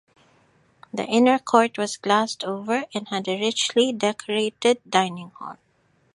The inner court was glassed over and had a richly decorated dining hall.